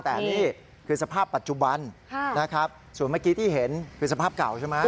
แต่นี่คือสภาพปัจจุบันนะครับส่วนเมื่อกี้ที่เห็นคือสภาพเก่าใช่ไหม